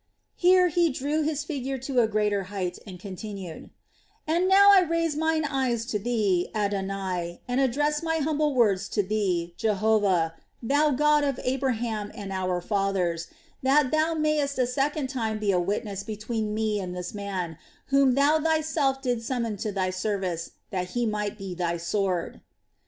Here he drew his figure to a greater height and continued: "And I now raise mine eyes to Thee, Adonai, and address my humble words to Thee, Jehovah, Thou God of Abraham and of our fathers, that Thou mayst a second time be a witness between me and this man whom Thou Thyself didst summon to Thy service, that he might be Thy sword."